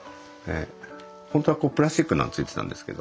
本当はこうプラスチックなのが付いてたんですけど。